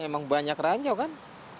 emang banyak ranjau kan